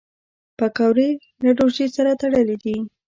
پکورې له روژې سره تړلي دي